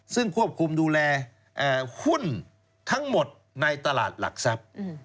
ซึ่งควบคุมดูแลหุ้นทั้งหมดในตลาดหลักทรัพย์